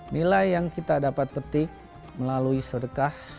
nilai yang kita dapat petik melalui sedekah